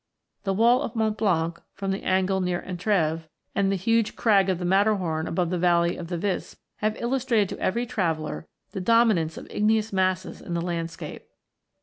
The wall of Mont Blanc from the angle near Entreves, and the huge crag of the Matterhorn above the valley of the Visp, have illustrated to every traveller the dominance of igneous masses in the landscape.